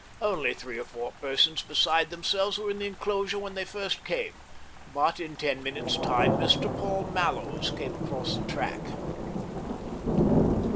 Only three or four persons beside themselves were in the enclosure when they first came, but in ten minutes' time Mr. Paul Mallows came across the track.